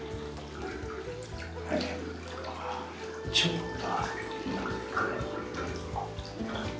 ちょっと。